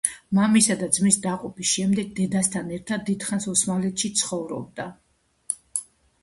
მამისა და ძმის დაღუპვის შემდეგ დედასთან ერთად ერთხანს ოსმალეთში ცხოვრობდა.